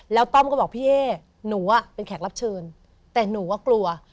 แล้วต้อมรัชนิกร